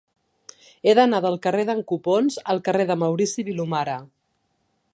He d'anar del carrer d'en Copons al carrer de Maurici Vilomara.